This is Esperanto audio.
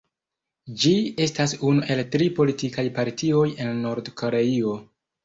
Ĝi estas unu el tri politikaj partioj en Nord-Koreio.